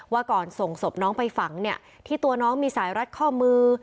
ก่อนส่งศพน้องไปฝังเนี่ยที่ตัวน้องมีสายรัดข้อมือ